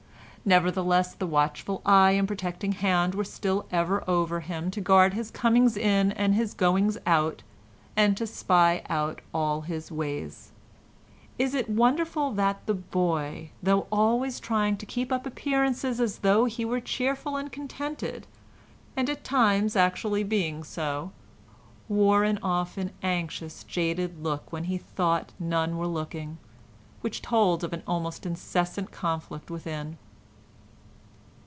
Nevertheless the watchful eye and protecting hand were still ever over him to guard his comings in and his goings out, and to spy out all his ways. Is it wonderful that the boy, though always trying to keep up appearances as though he were cheerful and contented—and at times actually being so—wore often an anxious, jaded look when he thought none were looking, which told of an almost incessant conflict within?